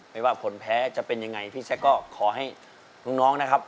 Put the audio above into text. ไม่ว่าผลแพ้จะเป็นยังไงพี่แจ๊กก็ขอให้น้องนะครับ